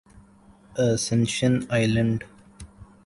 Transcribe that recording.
ascension island